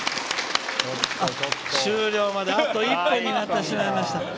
終了まであと１分になってしまいました。